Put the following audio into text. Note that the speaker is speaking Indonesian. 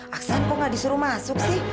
aksen kok gak disuruh masuk sih